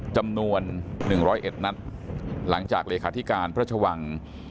จำนวน๑๐๐เอ็ดนัดหลังจากเหลศาสตริกาลพระชวัง